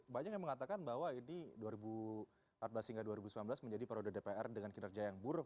banyak yang mengatakan bahwa ini dua ribu empat belas hingga dua ribu sembilan belas menjadi perode dpr dengan kinerja yang buruk